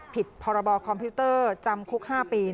ผิดพรบคอมพิวเตอร์จำคุก๕ปี